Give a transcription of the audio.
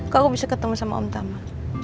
kalo aku bisa ketemu sama om tama